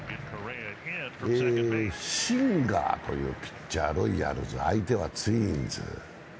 シンガーというピッチャーロイヤルズ相手はツインズ。